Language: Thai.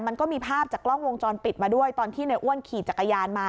มันก็มีภาพจากกล้องวงจรปิดมาด้วยตอนที่ในอ้วนขี่จักรยานมา